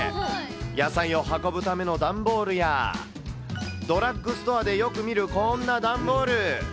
野菜を運ぶための段ボールや、ドラッグストアでよく見るこんな段ボール。